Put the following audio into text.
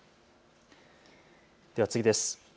では次です。